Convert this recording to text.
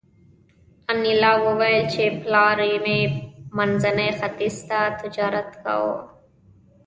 انیلا وویل چې پلار مې منځني ختیځ ته تجارت کاوه